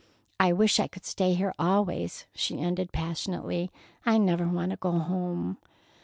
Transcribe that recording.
I wish I could stay here always," she ended passionately. "I never want to go home."